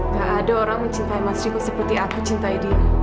gak ada orang yang mencintai mas riko seperti aku cintai dia